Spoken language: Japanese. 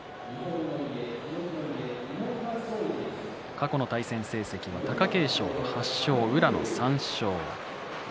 過去の対戦成績は貴景勝の８勝宇良の３勝。